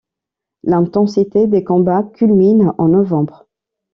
L'intensité des combats culmine en novembre.